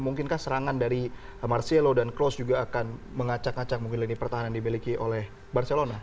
mungkinkah serangan dari marcelo dan klos juga akan mengacak ngacak mungkin lini pertahanan yang dibeliki oleh barcelona